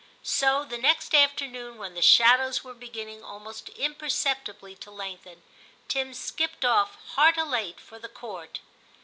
So the next afternoon, when the shadows were begin ning almost imperceptibly to lengthen, Tim skipped off, heart elate, for the Court.